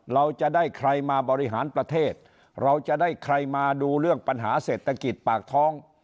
เราจะได้ใครมาบริหารประเทศเราจะได้ใครมาดูเรื่องปัญหาเศรษฐกิจปากท้อง